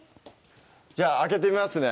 じゃあ開けてみますね